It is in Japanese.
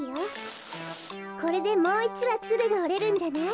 これでもう１わツルがおれるんじゃない？